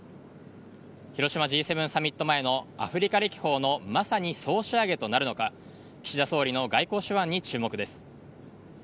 広島Ｇ７サミット前のアフリカ歴訪のまさに総仕上げとなるのか岸田総理の外交手腕に注目です。